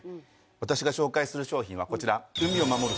私が紹介する商品はこちら。